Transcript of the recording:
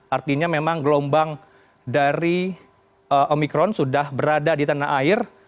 artinya memang gelombang dari omikron sudah berada di tanah air